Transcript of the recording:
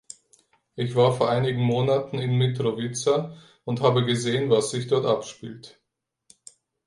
Ich war vor einigen Monaten in Mitrovica und habe gesehen, was sich dort abspielt.